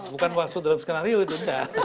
bukan waktu dalam skenario itu